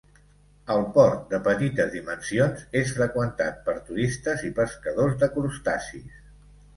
El port, de petites dimensions, és freqüentat per turistes i pescadors de crustacis.